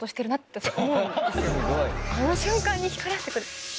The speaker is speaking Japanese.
あの瞬間に光らせて来る。